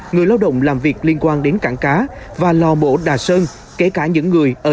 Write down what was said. người lao động làm việc liên quan đến cảng cá và lò mổ đà sơn kể cả những người ở nhà để sàng lọc